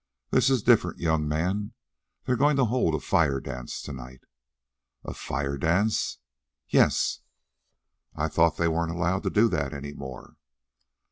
"This is different, young man. They're going to hold a fire dance to night " "A fire dance?" "Yes." "I thought they weren't allowed to do that any more?"